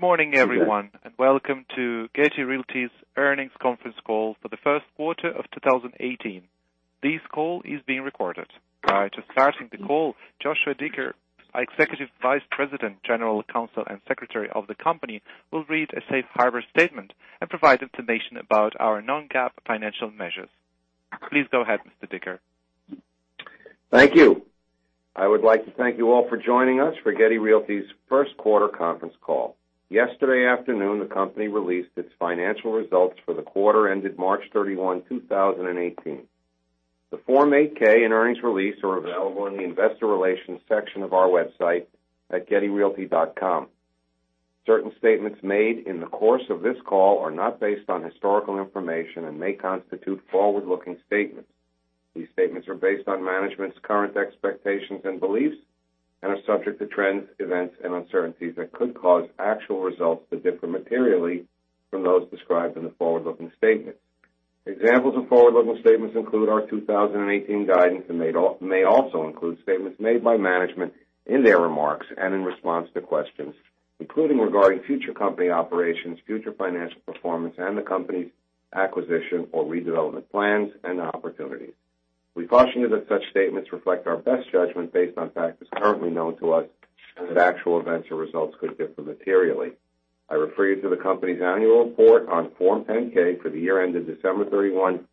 Good morning, everyone, and welcome to Getty Realty's earnings conference call for the first quarter of 2018. This call is being recorded. Prior to starting the call, Joshua Dicker, our Executive Vice President, General Counsel, and Secretary of the company will read a safe harbor statement and provide information about our non-GAAP financial measures. Please go ahead, Mr. Dicker. Thank you. I would like to thank you all for joining us for Getty Realty's first quarter conference call. Yesterday afternoon, the company released its financial results for the quarter ended March 31, 2018. The Form 8-K and earnings release are available in the investor relations section of our website at gettyrealty.com. Certain statements made in the course of this call are not based on historical information and may constitute forward-looking statements. These statements are based on management's current expectations and beliefs and are subject to trends, events, and uncertainties that could cause actual results to differ materially from those described in the forward-looking statements. Examples of forward-looking statements include our 2018 guidance and may also include statements made by management in their remarks and in response to questions, including regarding future company operations, future financial performance, and the company's acquisition or redevelopment plans and opportunities. We caution you that such statements reflect our best judgment based on factors currently known to us, and that actual events or results could differ materially. I refer you to the company's annual report on Form 10-K for the year ended December 31,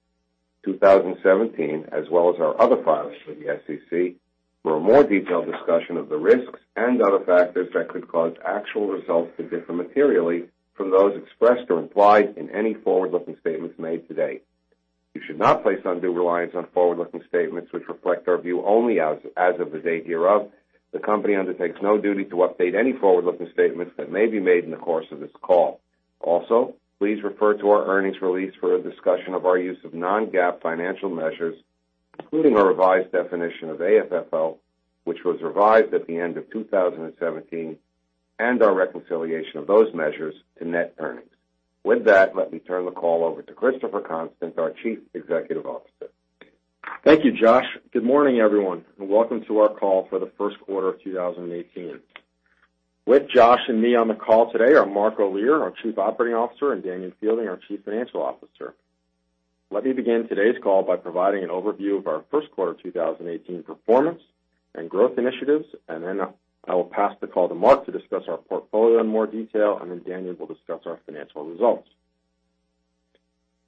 2017, as well as our other filings with the SEC for a more detailed discussion of the risks and other factors that could cause actual results to differ materially from those expressed or implied in any forward-looking statements made today. You should not place undue reliance on forward-looking statements, which reflect our view only as of the date hereof. The company undertakes no duty to update any forward-looking statements that may be made in the course of this call. Also, please refer to our earnings release for a discussion of our use of non-GAAP financial measures, including our revised definition of AFFO, which was revised at the end of 2017, and our reconciliation of those measures to net earnings. With that, let me turn the call over to Christopher Constant, our Chief Executive Officer. Thank you, Josh. Good morning, everyone, and welcome to our call for the first quarter of 2018. With Josh and me on the call today are Mark J. Olear, our Chief Operating Officer, and Danion Fielding, our Chief Financial Officer. Let me begin today's call by providing an overview of our first quarter 2018 performance and growth initiatives, and then I will pass the call to Mark to discuss our portfolio in more detail, and then Danion will discuss our financial results.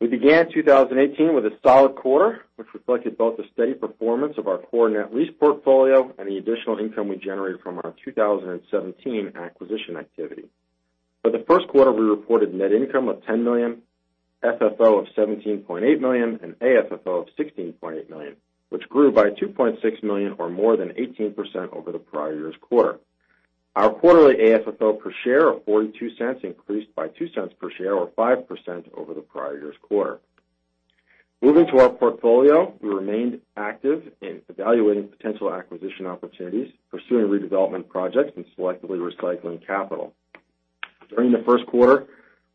We began 2018 with a solid quarter, which reflected both the steady performance of our core net lease portfolio and the additional income we generated from our 2017 acquisition activity. For the first quarter, we reported net income of $10 million, FFO of $17.8 million, and AFFO of $16.8 million, which grew by $2.6 million or more than 18% over the prior year's quarter. Our quarterly AFFO per share of $0.42 increased by $0.02 per share or 5% over the prior year's quarter. Moving to our portfolio, we remained active in evaluating potential acquisition opportunities, pursuing redevelopment projects, and selectively recycling capital. During the first quarter,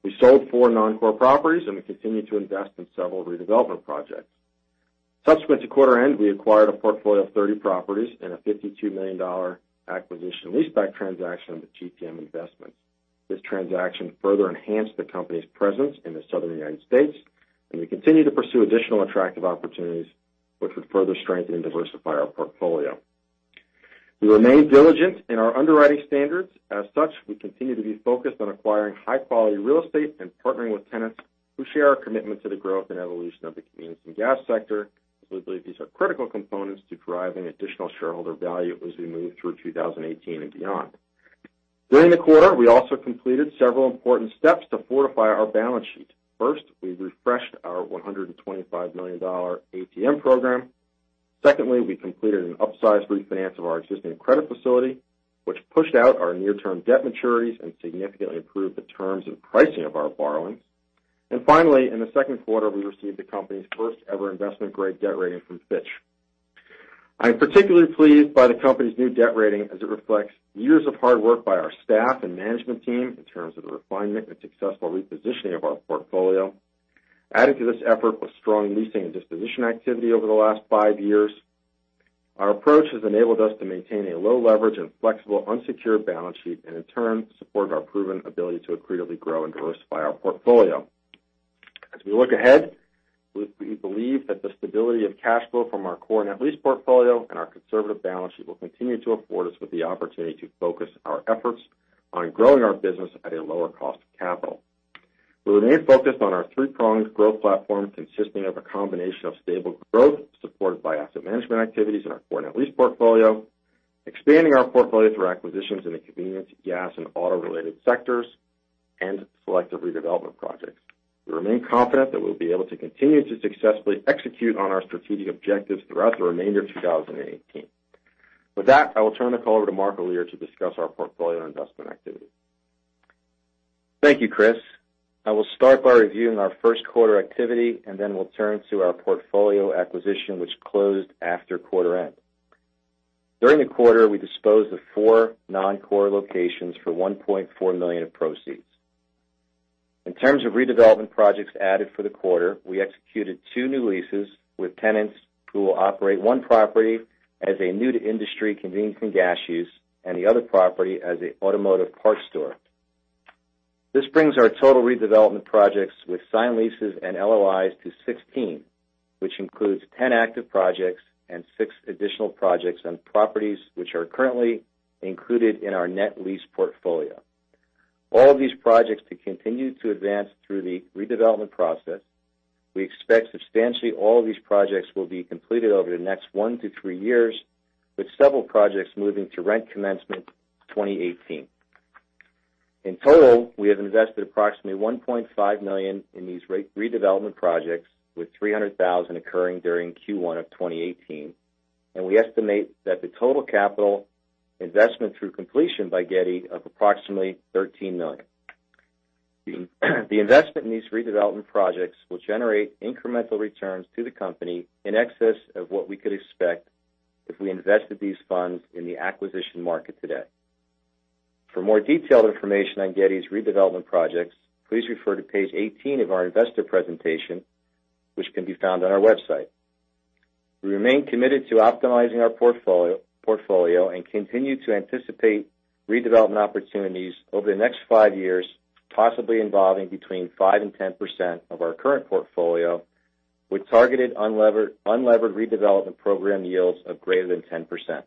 we sold four non-core properties and we continued to invest in several redevelopment projects. Subsequent to quarter end, we acquired a portfolio of 30 properties in a $52 million acquisition leaseback transaction with GPM Investments. This transaction further enhanced the company's presence in the Southern U.S., and we continue to pursue additional attractive opportunities which would further strengthen and diversify our portfolio. We remain diligent in our underwriting standards. As such, we continue to be focused on acquiring high-quality real estate and partnering with tenants who share our commitment to the growth and evolution of the convenience and gas sector, as we believe these are critical components to driving additional shareholder value as we move through 2018 and beyond. During the quarter, we also completed several important steps to fortify our balance sheet. First, we refreshed our $125 million ATM program. Secondly, we completed an upsize refinance of our existing credit facility, which pushed out our near-term debt maturities and significantly improved the terms and pricing of our borrowings. Finally, in the second quarter, we received the company's first-ever investment-grade debt rating from Fitch. I am particularly pleased by the company's new debt rating as it reflects years of hard work by our staff and management team in terms of the refinement and successful repositioning of our portfolio. Added to this effort was strong leasing and disposition activity over the last five years. Our approach has enabled us to maintain a low leverage and flexible unsecured balance sheet, and in turn, support our proven ability to accretively grow and diversify our portfolio. As we look ahead, we believe that the stability of cash flow from our core net lease portfolio and our conservative balance sheet will continue to afford us with the opportunity to focus our efforts on growing our business at a lower cost of capital. We remain focused on our three-pronged growth platform, consisting of a combination of stable growth supported by asset management activities in our core net lease portfolio, expanding our portfolio through acquisitions in the convenience, gas, and auto-related sectors, and selective redevelopment projects. We remain confident that we'll be able to continue to successfully execute on our strategic objectives throughout the remainder of 2018. With that, I will turn the call over to Mark Olear to discuss our portfolio investment activity. Thank you, Chris. I will start by reviewing our first quarter activity. Then we'll turn to our portfolio acquisition, which closed after quarter end. During the quarter, we disposed of four non-core locations for $1.4 million of proceeds. In terms of redevelopment projects added for the quarter, we executed two new leases with tenants who will operate one property as a new-to-industry convenience and gas use, and the other property as an automotive parts store. This brings our total redevelopment projects with signed leases and LOIs to 16, which includes 10 active projects and six additional projects on properties which are currently included in our net lease portfolio. All of these projects to continue to advance through the redevelopment process. We expect substantially all of these projects will be completed over the next one to three years, with several projects moving to rent commencement 2018. In total, we have invested approximately $1.5 million in these redevelopment projects, with $300,000 occurring during Q1 of 2018. We estimate that the total capital investment through completion by Getty of approximately $13 million. The investment in these redevelopment projects will generate incremental returns to the company in excess of what we could expect if we invested these funds in the acquisition market today. For more detailed information on Getty's redevelopment projects, please refer to page 18 of our investor presentation, which can be found on our website. We remain committed to optimizing our portfolio and continue to anticipate redevelopment opportunities over the next five years, possibly involving between 5% and 10% of our current portfolio, with targeted unlevered redevelopment program yields of greater than 10%.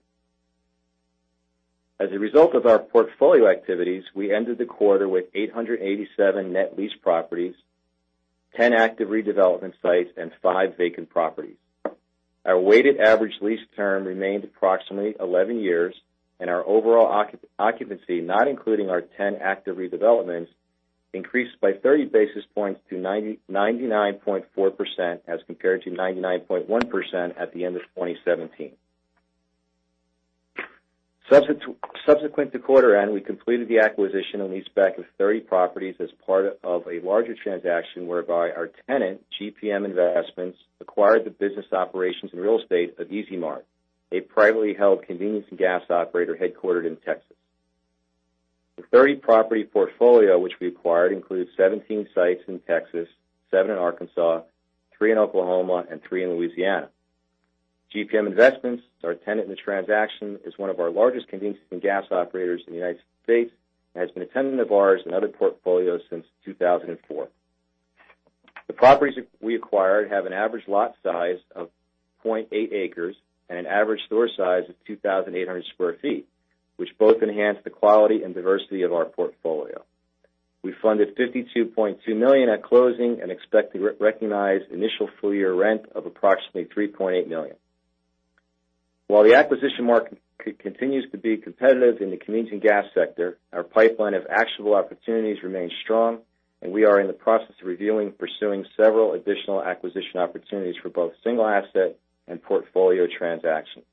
As a result of our portfolio activities, we ended the quarter with 887 net lease properties, 10 active redevelopment sites, and five vacant properties. Our weighted average lease term remained approximately 11 years and our overall occupancy, not including our 10 active redevelopments, increased by 30 basis points to 99.4%, as compared to 99.1% at the end of 2017. Subsequent to quarter end, we completed the acquisition and sale-leaseback of 30 properties as part of a larger transaction whereby our tenant, GPM Investments, acquired the business operations and real estate of E-Z Mart, a privately held convenience and gas operator headquartered in Texas. The 30-property portfolio which we acquired includes 17 sites in Texas, seven in Arkansas, three in Oklahoma, and three in Louisiana. GPM Investments, our tenant in the transaction, is one of our largest convenience and gas operators in the U.S. and has been a tenant of ours and other portfolios since 2004. The properties we acquired have an average lot size of 0.8 acres and an average store size of 2,800 sq ft, which both enhance the quality and diversity of our portfolio. We funded $52.2 million at closing and expect to recognize initial full-year rent of approximately $3.8 million. While the acquisition market continues to be competitive in the convenience and gas sector, our pipeline of actionable opportunities remains strong, and we are in the process of reviewing and pursuing several additional acquisition opportunities for both single asset and portfolio transactions.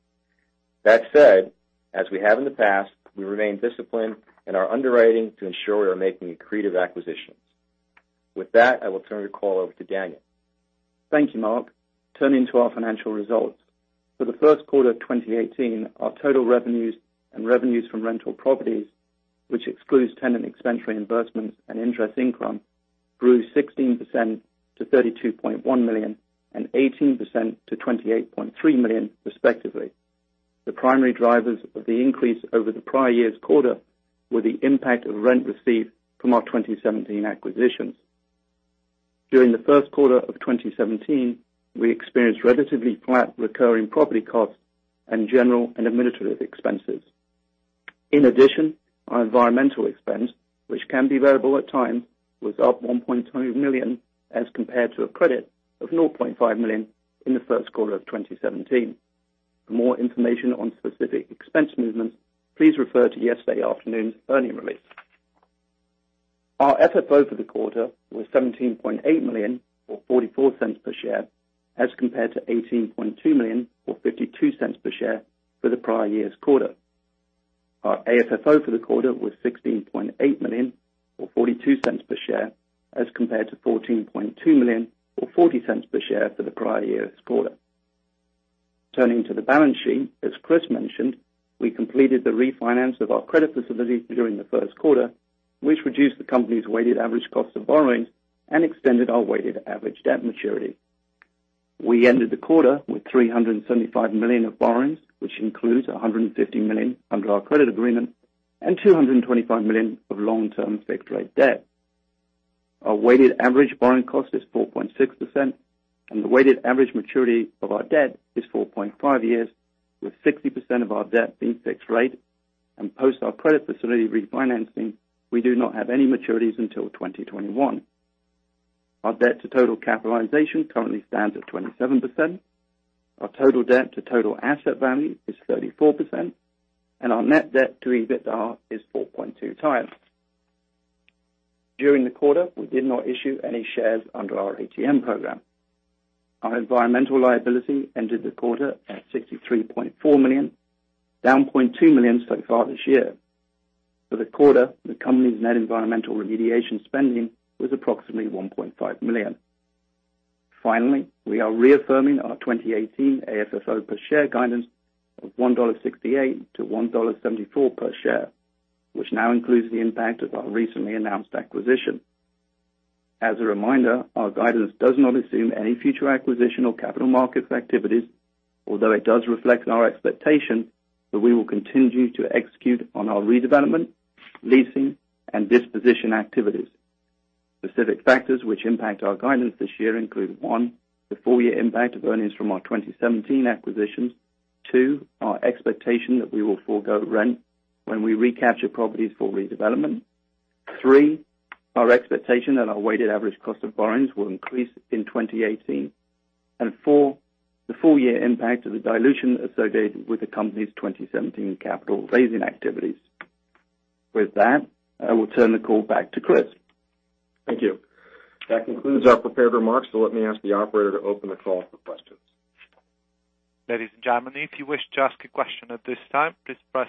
That said, as we have in the past, we remain disciplined in our underwriting to ensure we are making accretive acquisitions. With that, I will turn the call over to Danoin. Thank you, Mark. Turning to our financial results. For the first quarter of 2018, our total revenues and revenues from rental properties, which excludes tenant expense reimbursements and interest income, grew 16% to $32.1 million and 18% to $28.3 million, respectively. The primary drivers of the increase over the prior year's quarter were the impact of rent received from our 2017 acquisitions. During the first quarter of 2017, we experienced relatively flat recurring property costs and general and administrative expenses. In addition, our environmental expense, which can be variable at times, was up $1.2 million as compared to a credit of $0.5 million in the first quarter of 2017. For more information on specific expense movements, please refer to yesterday afternoon's earnings release. Our FFO for the quarter was $17.8 million, or $0.44 per share, as compared to $18.2 million or $0.52 per share for the prior year's quarter. Our AFFO for the quarter was $16.8 million or $0.42 per share as compared to $14.2 million or $0.40 per share for the prior year's quarter. Turning to the balance sheet, as Chris mentioned, we completed the refinance of our credit facilities during the first quarter, which reduced the company's weighted average cost of borrowings and extended our weighted average debt maturity. We ended the quarter with $375 million of borrowings, which includes $150 million under our credit agreement and $225 million of long-term fixed-rate debt. Our weighted average borrowing cost is 4.6%, and the weighted average maturity of our debt is 4.5 years, with 60% of our debt being fixed rate. Post our credit facility refinancing, we do not have any maturities until 2021. Our debt to total capitalization currently stands at 27%. Our total debt to total asset value is 34%. Our net debt to EBITDA is 4.2 times. During the quarter, we did not issue any shares under our ATM program. Our environmental liability ended the quarter at $63.4 million, down $0.2 million so far this year. For the quarter, the company's net environmental remediation spending was approximately $1.5 million. We are reaffirming our 2018 AFFO per share guidance of $1.68 to $1.74 per share, which now includes the impact of our recently announced acquisition. As a reminder, our guidance does not assume any future acquisition or capital market activities, although it does reflect our expectation that we will continue to execute on our redevelopment, leasing, and disposition activities. Specific factors which impact our guidance this year include: 1, the full year impact of earnings from our 2017 acquisitions; 2, our expectation that we will forgo rent when we recapture properties for redevelopment; 3, our expectation that our weighted average cost of borrowings will increase in 2018; and 4, the full year impact of the dilution associated with the company's 2017 capital raising activities. With that, I will turn the call back to Chris. Thank you. That concludes our prepared remarks. Let me ask the operator to open the call for questions. Ladies and gentlemen, if you wish to ask a question at this time, please press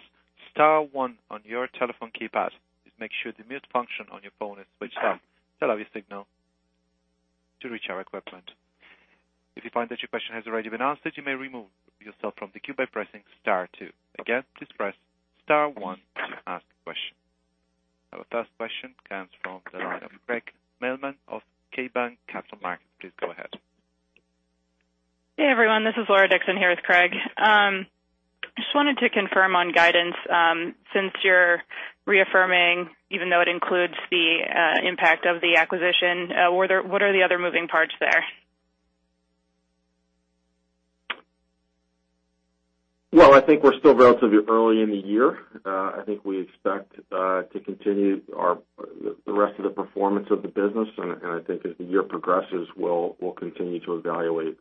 star one on your telephone keypad. Please make sure the mute function on your phone is switched off. That will be a signal to reach our equipment. If you find that your question has already been answered, you may remove yourself from the queue by pressing star two. Again, please press star one to ask a question. Our first question comes from the line of Craig Mailman of KeyBanc Capital Markets. Please go ahead. Hey, everyone. This is [Laura Dixon] here with Craig. Just wanted to confirm on guidance, since you are reaffirming, even though it includes the impact of the acquisition, what are the other moving parts there? Well, I think we are still relatively early in the year. I think we expect to continue the rest of the performance of the business, and I think as the year progresses, we will continue to evaluate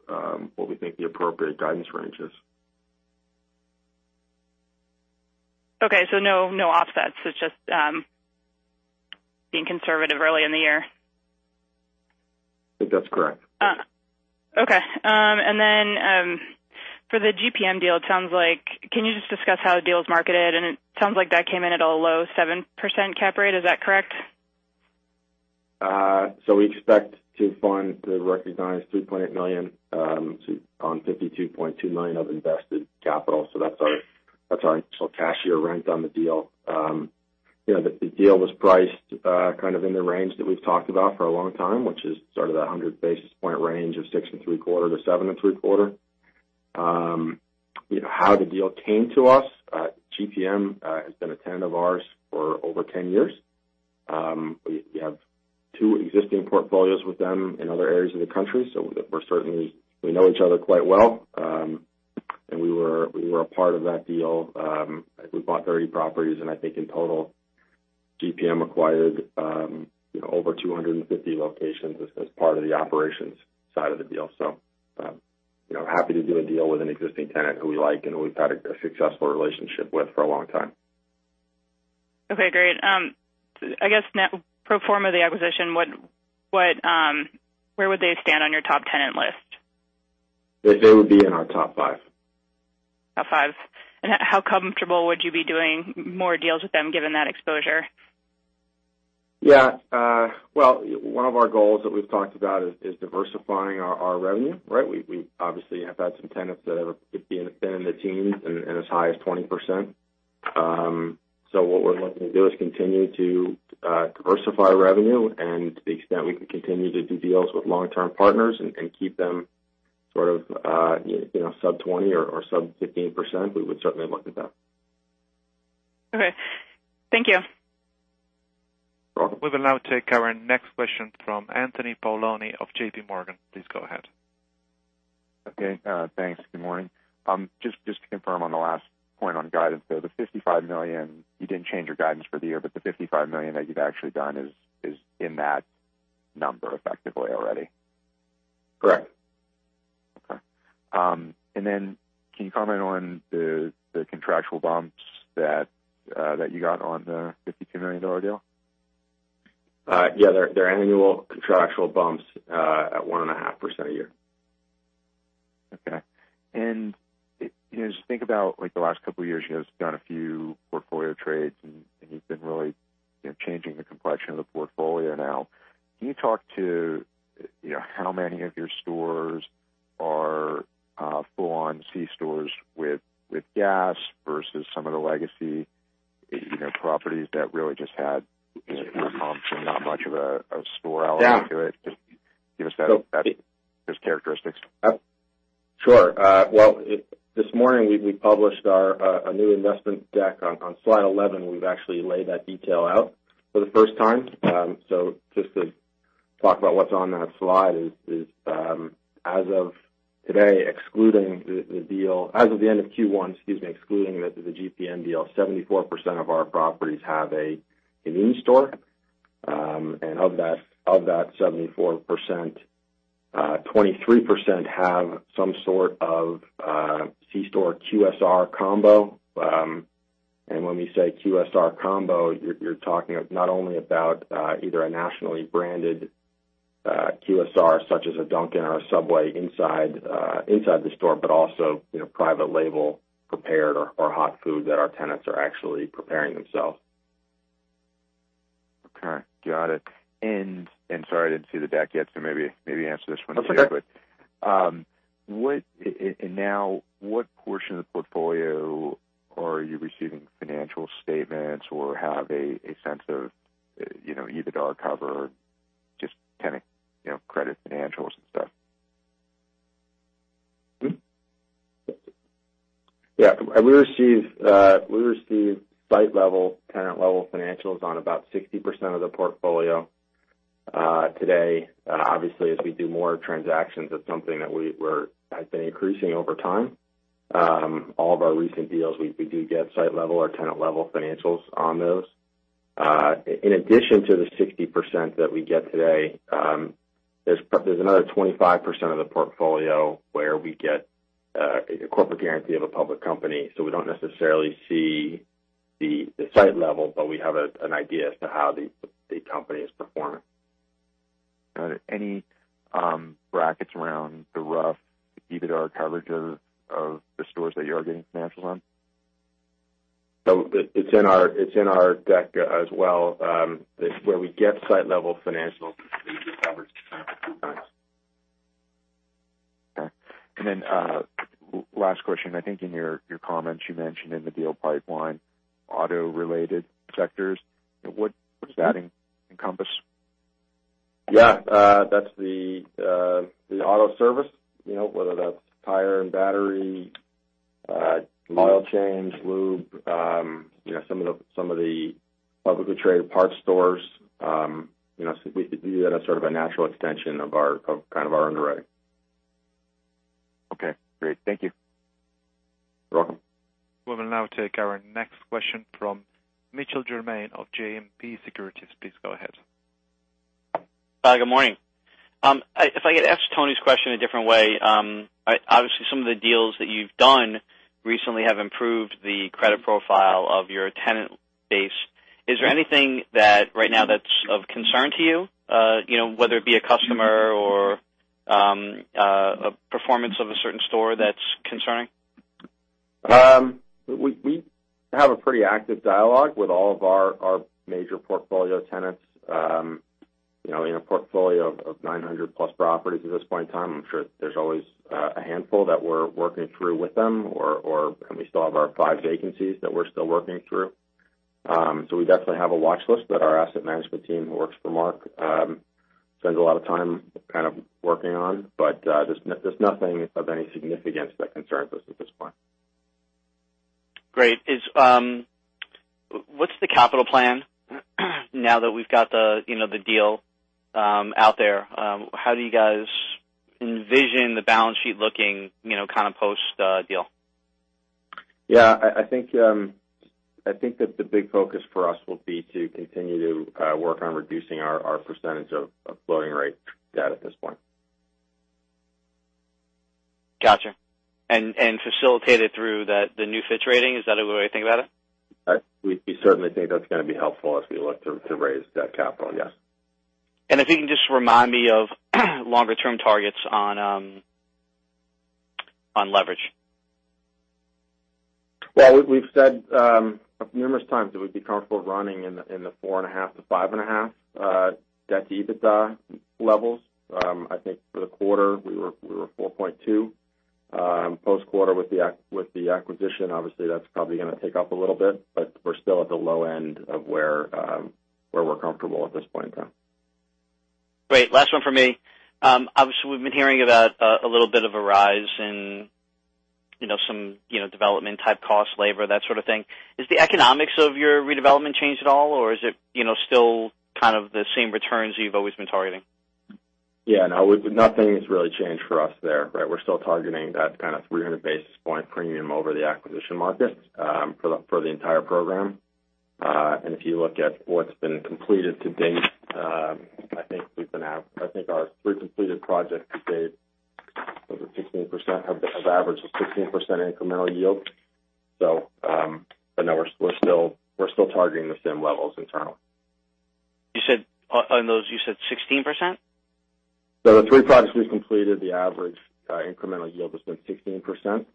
what we think the appropriate guidance range is. Okay. No offsets. It is just being conservative early in the year. I think that is correct. Okay. For the GPM deal, can you just discuss how the deal's marketed? It sounds like that came in at a low 7% cap rate. Is that correct? We expect to fund, to recognize $3.8 million on $52.2 million of invested capital. That's our initial cash year rent on the deal. The deal was priced kind of in the range that we've talked about for a long time, which is sort of the 100 basis point range of 6.75%-7.75%. How the deal came to us, GPM has been a tenant of ours for over 10 years. We have two existing portfolios with them in other areas of the country, so we know each other quite well. We were a part of that deal. We bought 30 properties, and I think in total, GPM acquired over 250 locations as part of the operations side of the deal. Happy to do a deal with an existing tenant who we like, and who we've had a successful relationship with for a long time. Okay, great. I guess net pro forma of the acquisition, where would they stand on your top tenant list? They would be in our top five. Top five. How comfortable would you be doing more deals with them, given that exposure? Yeah. Well, one of our goals that we've talked about is diversifying our revenue, right? We obviously have had some tenants that have been in the teens and as high as 20%. What we're looking to do is continue to diversify revenue, and to the extent we can continue to do deals with long-term partners and keep them sort of sub 20% or sub 15%, we would certainly look at that. Okay. Thank you. You're welcome. We'll now take our next question from Anthony Paolone of JP Morgan. Please go ahead. Okay, thanks. Good morning. Just to confirm on the last point on guidance, the $55 million, you didn't change your guidance for the year, the $55 million that you've actually done is in that number effectively already? Correct. Okay. Can you comment on the contractual bumps that you got on the $52 million deal? Yeah. They're annual contractual bumps at 1.5% a year. Okay. Just think about the last couple of years, you've done a few portfolio trades, and you've been really changing the complexion of the portfolio now. Can you talk to how many of your stores are full-on C-stores with gas versus some of the legacy properties that really just had pump and not much of a store element to it? Just give us those characteristics. Sure. Well, this morning, we published a new investment deck. On slide 11, we've actually laid that detail out for the first time. Just to talk about what's on that slide is, as of today, excluding the deal-- as of the end of Q1, excuse me, excluding the GPM deal, 74% of our properties have a convenience store. And of that 74%, 23% have some sort of C-store QSR combo. And when we say QSR combo, you're talking not only about either a nationally branded QSR, such as a Dunkin' or a Subway inside the store, but also private label prepared or hot food that our tenants are actually preparing themselves. Okay. Got it. Sorry, I didn't see the deck yet, so maybe answer this one later. That's okay. Now, what portion of the portfolio are you receiving financial statements or have a sense of EBITDA cover or just tenant credit financials and stuff? Yeah. We receive site-level, tenant-level financials on about 60% of the portfolio today. Obviously, as we do more transactions, it's something that has been increasing over time. All of our recent deals, we do get site-level or tenant-level financials on those. In addition to the 60% that we get today, there's another 25% of the portfolio where we get a corporate guarantee of a public company. We don't necessarily see the site level, but we have an idea as to how the company is performing. Got it. Any brackets around the rough EBITDA coverage of the stores that you are getting financials on? It's in our deck as well, where we get site-level financials, we do coverage Okay. Last question. I think in your comments you mentioned in the deal pipeline, auto-related sectors. What does that encompass? Yeah. That's the auto service, whether that's tire and battery, oil change, lube, some of the publicly traded parts stores. We view that as sort of a natural extension of our underwriting. Okay, great. Thank you. You're welcome. We will now take our next question from Mitchell Germain of JMP Securities. Please go ahead. Hi, good morning. If I could ask Tony's question a different way. Some of the deals that you've done recently have improved the credit profile of your tenant base. Is there anything that right now that's of concern to you? Whether it be a customer or a performance of a certain store that's concerning? We have a pretty active dialogue with all of our major portfolio tenants. In a portfolio of 900-plus properties at this point in time, I'm sure there's always a handful that we're working through with them and we still have our five vacancies that we're still working through. We definitely have a watch list that our asset management team, who works for Mark, spends a lot of time working on. There's nothing of any significance that concerns us at this point. Great. What's the capital plan now that we've got the deal out there? How do you guys envision the balance sheet looking, kind of post-deal? Yeah, I think that the big focus for us will be to continue to work on reducing our percentage of floating rate debt at this point. Got you. Facilitate it through the new Fitch rating? Is that the way to think about it? We certainly think that's going to be helpful as we look to raise that capital, yes. If you can just remind me of longer-term targets on leverage. Well, we've said numerous times that we'd be comfortable running in the 4.5 to 5.5 debt to EBITDA levels. I think for the quarter, we were 4.2. Post-quarter with the acquisition, obviously, that's probably going to take up a little bit, we're still at the low end of where we're comfortable at this point in time. Great. Last one from me. Obviously, we've been hearing about a little bit of a rise in some development type cost, labor, that sort of thing. Has the economics of your redevelopment changed at all, or is it still kind of the same returns you've always been targeting? Yeah, no, nothing's really changed for us there. We're still targeting that kind of 300 basis point premium over the acquisition market for the entire program. If you look at what's been completed to date, I think our three completed projects to date have an average of 16% incremental yield. No, we're still targeting the same levels internally. On those, you said 16%? The 3 projects we've completed, the average incremental yield has been 16%.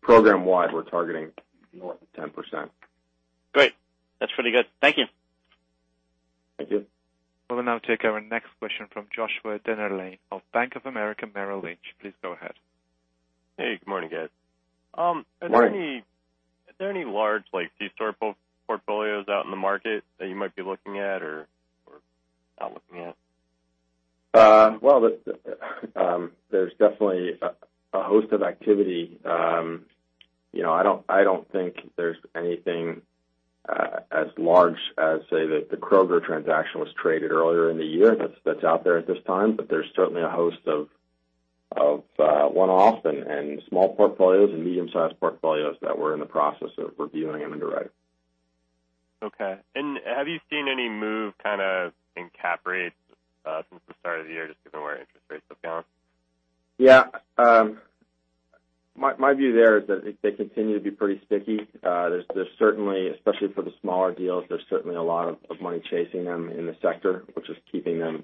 Program-wide, we're targeting north of 10%. Great. That's really good. Thank you. Thank you. We will now take our next question from Joshua Dennerlein of Bank of America Merrill Lynch. Please go ahead. Hey, good morning, guys. Morning. Are there any large C-store portfolios out in the market that you might be looking at or not looking at? Well, there's definitely a host of activity. I don't think there's anything as large as, say, the Kroger transaction was traded earlier in the year that's out there at this time. There's certainly a host of one-offs and small portfolios and medium-sized portfolios that we're in the process of reviewing and underwriting. Okay. Have you seen any move kind of in cap rates since the start of the year, just given where interest rates have gone? Yeah. My view there is that they continue to be pretty sticky. Especially for the smaller deals, there is certainly a lot of money chasing them in the sector, which is keeping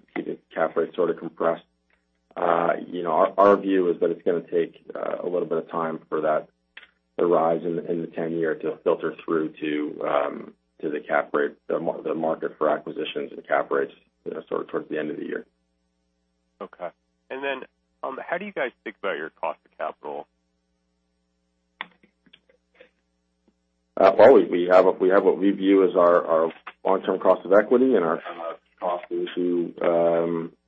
cap rates sort of compressed. Our view is that it is going to take a little bit of time for that to rise in the 10-year to filter through to the market for acquisitions and cap rates towards the end of the year. Okay. Then, how do you guys think about your cost of capital? Well, we have what we view as our long-term cost of equity and our cost to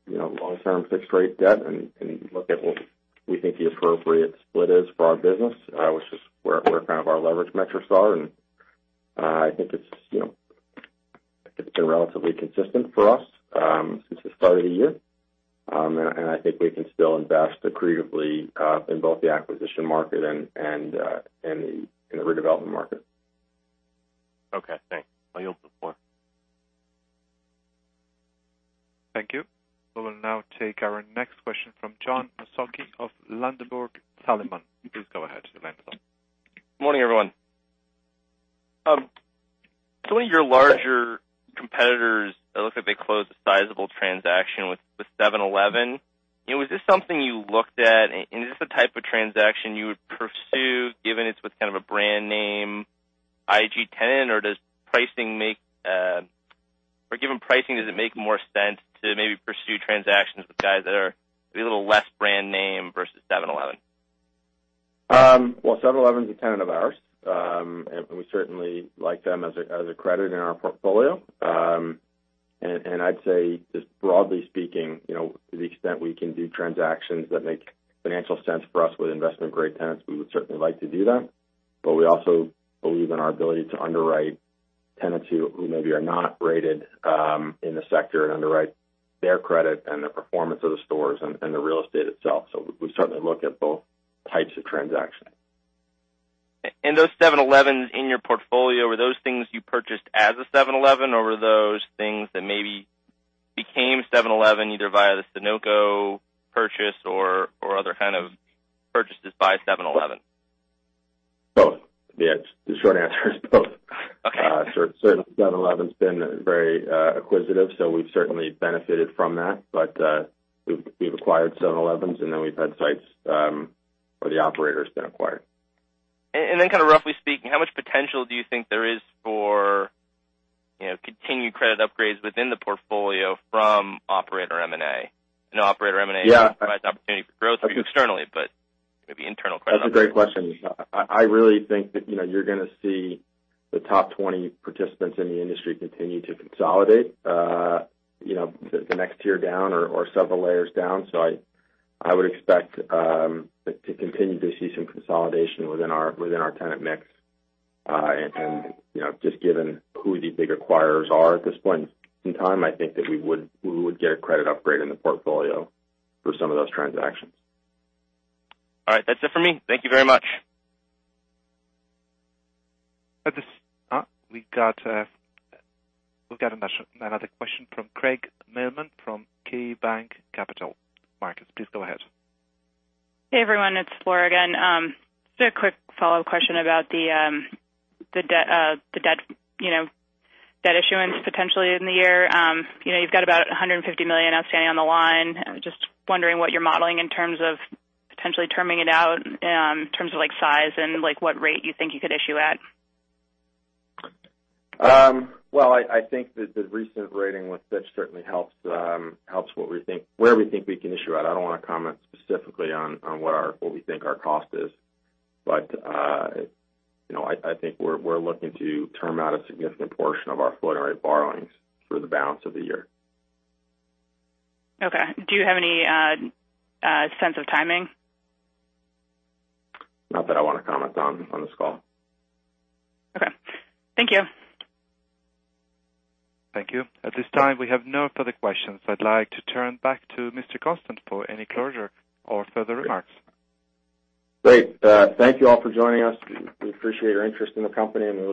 long-term fixed rate debt, and look at what we think the appropriate split is for our business, which is where our leverage metrics are. I think it has been relatively consistent for us since the start of the year. I think we can still invest accretively in both the acquisition market and in the redevelopment market. Okay, thanks. I yield the floor. Thank you. We will now take our next question from Jon Hickman of Ladenburg Thalmann. Please go ahead, Jon. Morning, everyone. Some of your larger competitors, it looks like they closed a sizable transaction with 7-Eleven. Was this something you looked at? Is this the type of transaction you would pursue, given it's with kind of a brand name, IG tenant? Given pricing, does it make more sense to maybe pursue transactions with guys that are maybe a little less brand name versus 7-Eleven? Well, 7-Eleven's a tenant of ours, we certainly like them as a credit in our portfolio. I'd say, just broadly speaking, to the extent we can do transactions that make financial sense for us with investment-grade tenants, we would certainly like to do that. We also believe in our ability to underwrite tenants who maybe are not rated in the sector and underwrite their credit and the performance of the stores and the real estate itself. We certainly look at both types of transactions. Those 7-Elevens in your portfolio, were those things you purchased as a 7-Eleven, or were those things that maybe became 7-Eleven, either via the Sunoco purchase or other kind of purchases by 7-Eleven? Both. Yeah, the short answer is both. Okay. Certainly 7-Eleven's been very acquisitive, so we've certainly benefited from that. We've acquired 7-Elevens, we've had sites where the operator's been acquired. Kind of roughly speaking, how much potential do you think there is for continued credit upgrades within the portfolio from operator M&A? I know operator M&A provides opportunity for growth externally, but maybe internal credit. That's a great question. I really think that you're going to see the top 20 participants in the industry continue to consolidate the next tier down or several layers down. I would expect to continue to see some consolidation within our tenant mix. Just given who the big acquirers are at this point in time, I think that we would get a credit upgrade in the portfolio through some of those transactions. All right. That's it for me. Thank you very much. At this time, we've got another question from Craig Mailman from KeyBanc Capital Markets. Please go ahead. Hey, everyone. It's Laura again. Just a quick follow-up question about the debt issuance potentially in the year. You've got about $150 million outstanding on the line. I'm just wondering what you're modeling in terms of potentially terming it out, in terms of size and what rate you think you could issue at. Well, I think that the recent rating with Fitch certainly helps where we think we can issue at. I don't want to comment specifically on what we think our cost is. I think we're looking to term out a significant portion of our floating rate borrowings through the balance of the year. Okay. Do you have any sense of timing? Not that I want to comment on this call. Okay. Thank you. Thank you. At this time, we have no further questions. I'd like to turn back to Mr. Constant for any closure or further remarks. Great. Thank you all for joining us. We appreciate your interest in the company, and we look